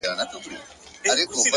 لوړ فکر نوې نړۍ انځوروي!